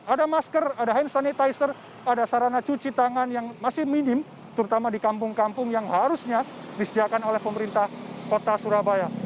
ada masker ada hand sanitizer ada sarana cuci tangan yang masih minim terutama di kampung kampung yang harusnya disediakan oleh pemerintah kota surabaya